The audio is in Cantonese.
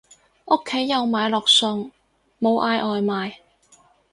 屋企有買落餸，冇嗌外賣